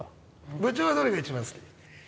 部長はどれが一番好き？